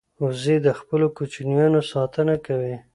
وزې د خپلو کوچنیانو ساتنه کوي